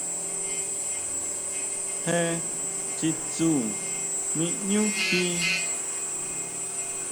Jé chitsun ʼmí ʼñú jí.